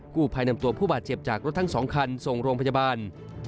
ผู้ภัยนำตัวผู้บาดเจ็บจากรถทั้ง๒คันส่งโรงพยาบาล